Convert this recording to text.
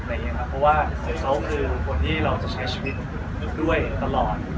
เพราะว่าเซเขาคือคนที่เราจะใช้ชีวิตด้วยตลอด